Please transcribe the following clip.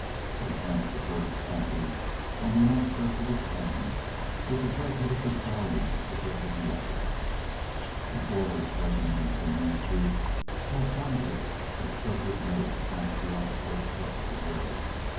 They passed the first shanty on the outskirts of the town with the red head of the stallion at the hip of the other. Before they straightened into the main street, El Sangre had shoved his nose past the outstretched head of the gray.